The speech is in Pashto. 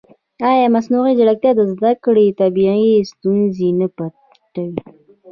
ایا مصنوعي ځیرکتیا د زده کړې طبیعي ستونزې نه پټوي؟